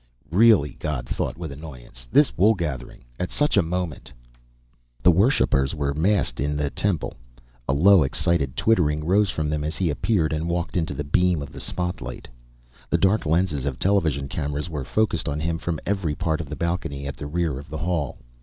Really, God thought with annoyance, this woolgathering at such a moment! The worshippers were massed in the Temple. A low, excited twittering rose from them as He appeared and walked into the beam of the spotlight. The dark lenses of television cameras were focused on Him from every part of the balcony at the rear of the hall.